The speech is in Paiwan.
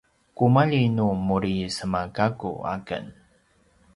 kumalji nu muri semagakku aken